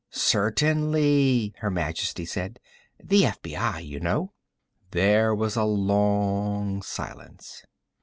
"Certainly," Her Majesty said. "The FBI, you know." There was a long silence.